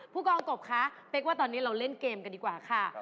ผู้กองกบคะเป๊กว่าตอนนี้เราเล่นเกมกันดีกว่าค่ะ